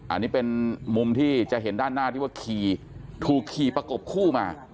อันนี้เป็นมุมที่จะเห็นด้านหน้าที่ว่าขี่ถูกขี่ประกบคู่มา